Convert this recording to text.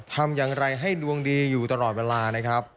ทำอย่างไรให้ดวงดีอยู่ตลอดเวลานะครับ